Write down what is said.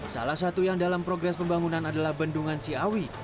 salah satu yang dalam progres pembangunan adalah bendungan ciawi